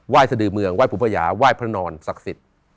ว่ายเสดือเมืองว่ายผู้ประหยาว่ายพระนอนศักดิ์สิทธิ์